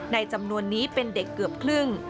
จำนวนนี้เป็นเด็กเกือบครึ่ง